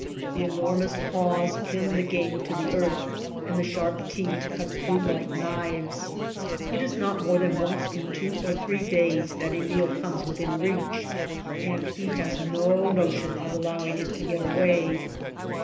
The enormous paws pin the game to the earth, and the sharp teeth cut through like DESERT ANIMALS 157 knives. It is not more than once in two or three days that a meal comes within reach and he has no notion of allowing it to get away.